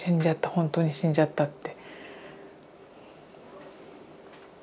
ほんとに死んじゃったって。